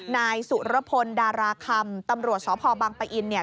นายสุรพลดาราคำตำรวจสพบังปะอินเนี่ย